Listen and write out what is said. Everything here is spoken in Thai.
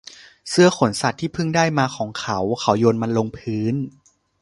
เสื้อขนสัตว์ที่เพิ่งได้มาของเขา เขาโยนมันลงพื้น